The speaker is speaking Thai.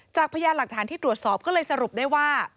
พยานหลักฐานที่ตรวจสอบก็เลยสรุปได้ว่า